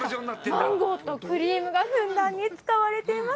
マンゴーとクリームがふんだんに使われています。